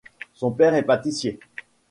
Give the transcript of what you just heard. Son père est pâtissier.